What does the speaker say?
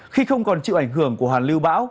khi không còn chịu ảnh hưởng của hàn lưu bão